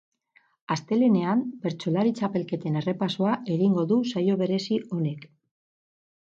Astelehenean bertsolari txapelketen errepasoa egingo du saio berezi honek.